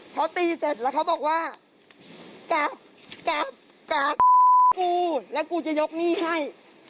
เขาตีเสร็จแล้วเขาบอกว่ากลับกลับกูแล้วกูจะยกหนี้ให้